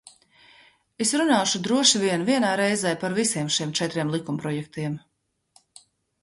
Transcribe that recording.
Es runāšu droši vien vienā reizē par visiem šiem četriem likumprojektiem.